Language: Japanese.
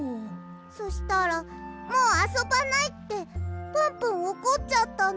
そしたら「もうあそばない」ってプンプンおこっちゃったの。